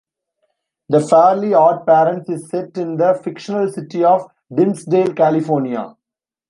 "The Fairly OddParents" is set in the fictional city of Dimmsdale, California.